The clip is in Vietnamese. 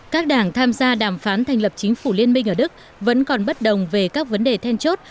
các đảng tham gia đàm phán thành lập chính phủ liên minh ở đức vẫn còn bất đồng về các vấn đề then chốt